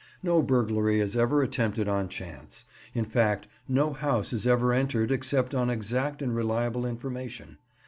No burglary is ever attempted on chance; in fact, no house is ever entered except on exact and reliable information.